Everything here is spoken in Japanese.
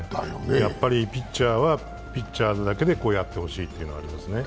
やっぱりピッチャーはピッチャーだけでやってほしいっていうのがありますね。